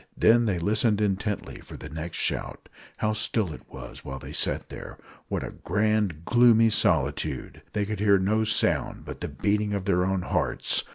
Then they listened intently for the next shout. How still it was while they sat there! What a grand, gloomy solitude! They could hear no sound but the beating of their own hearts.